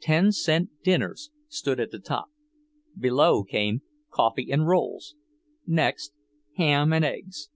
"Ten Cent Dinners" stood at the top. Below came, "Coffee and rolls." Next, "Ham and eggs."